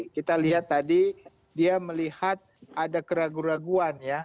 kita lihat tadi dia melihat ada keraguan keraguan ya